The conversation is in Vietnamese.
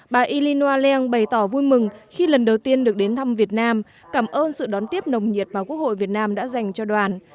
bà ilinwa lian bày tỏ vui mừng khi lần đầu tiên được đến thăm việt nam cảm ơn sự đón tiếp nồng nhiệt mà quốc hội việt nam đã dành cho đoàn